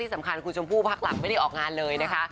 สำคัญคุณชมพู่พักหลังไม่ได้ออกงานเลยนะคะ